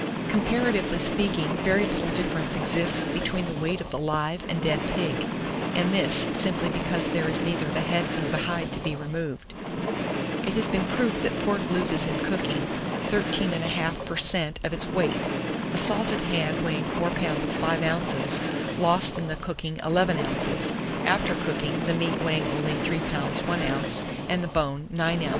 793. COMPARATIVELY SPEAKING, very little difference exists between the weight of the live and dead pig, and this, simply because there is neither the head nor the hide to be removed. It has been proved that pork loses in cooking 13 1/2, per cent. of its weight. A salted hand weighing 4 lbs. 5 oz. lost in the cooking 11 oz.; after cooking, the meat weighing only 3 lbs. 1 oz., and the bone 9 oz.